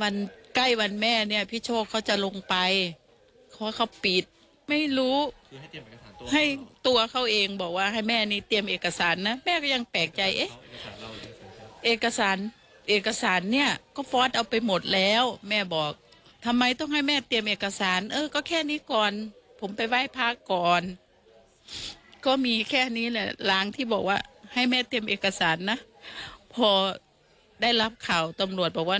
วันใกล้วันแม่เนี่ยพี่โชคเขาจะลงไปเพราะเขาปิดไม่รู้ให้ตัวเขาเองบอกว่าให้แม่นี้เตรียมเอกสารนะแม่ก็ยังแปลกใจเอ๊ะเอกสารเอกสารเนี่ยก็ฟอสเอาไปหมดแล้วแม่บอกทำไมต้องให้แม่เตรียมเอกสารเออก็แค่นี้ก่อนผมไปไหว้พระก่อนก็มีแค่นี้แหละล้างที่บอกว่าให้แม่เตรียมเอกสารนะพอได้รับข่าวตำรวจบอกว่า